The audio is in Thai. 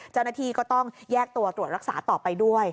เจ้าหน้าที่ก็ต้องแยกตัวตรวจรักษาต่อไปด้วย